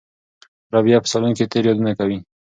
رابعه په صالون کې تېر یادونه کوي.